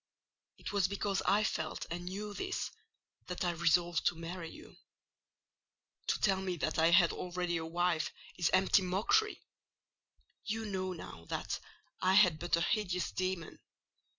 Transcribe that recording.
"It was because I felt and knew this, that I resolved to marry you. To tell me that I had already a wife is empty mockery: you know now that I had but a hideous demon.